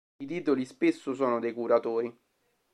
I titoli spesso sono dei curatori.